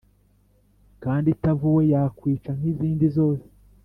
kandi itavuwe yakwica nk` izindi zose,